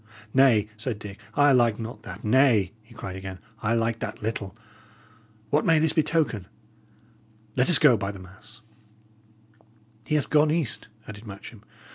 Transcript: "Nay," said Dick, "I like not that. Nay," he cried again, "I like that little. What may this betoken? Let us go, by the mass!" "He hath gone east," added Matcham.